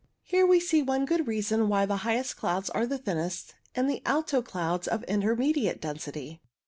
Here we see one good reason why the highest clouds are the thinnest and the alto clouds of intermediate density.